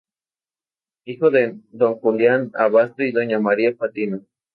Hijo de Don Julián Abasto y Doña María Patiño.